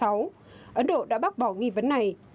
ấn độ đã bác bỏ nghi vấn này